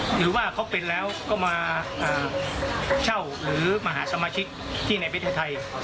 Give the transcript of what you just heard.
หรือว่าเขาเป็นแล้วก็มาเช่าหรือมาหาสมาชิกที่ในประเทศไทย